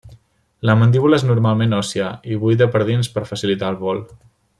La mandíbula és normalment òssia i buida per dins per facilitar el vol.